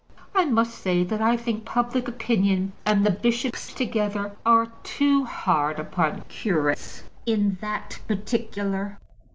I must say that I think that public opinion and the bishops together are too hard upon curates in this particular.